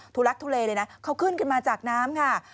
ทุลักษณ์ทุเลเลยนะเขาขึ้นกันมาจากน้ำค่ะ